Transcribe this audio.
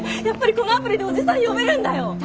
やっぱりこのアプリでおじさん呼べるんだよ。